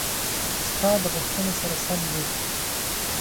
ستا د غوښتنې سره سم دي: